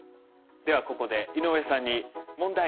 ではここで井上さんに問題。